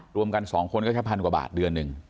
รวมกัน๒คนก็แค่พันกว่าบาทเดือนหนึ่ง